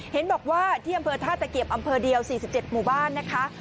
เห็นบอกว่าที่อำเภอท่าตะเกียบอำเภอเดียว๔๗หมู่บ้านนะคะ